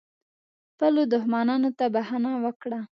خپلو دښمنانو ته بښنه وکړه .